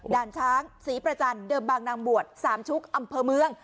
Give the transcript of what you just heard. ด่านช้างศรีประจันทร์เดิมบางนางบวชสามชุกอำเภอเมือง